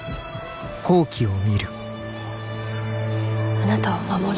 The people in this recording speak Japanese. あなたを守る。